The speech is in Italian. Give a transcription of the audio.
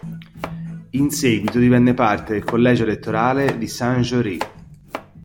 In seguito divenne parte del collegio elettorale di Saint-Jeoire.